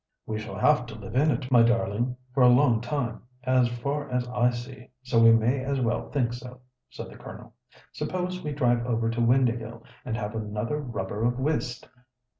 "We shall have to live in it, my darling, for a long time, as far as I see, so we may as well think so," said the Colonel. "Suppose we drive over to Windāhgil, and have another rubber of whist?